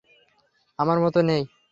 আমার মত নেই।